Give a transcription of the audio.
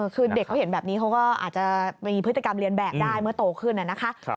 คือเด็กเขาเห็นแบบนี้เขาก็อาจจะมีพฤติกรรมเรียนแบบได้เมื่อโตขึ้นนะคะ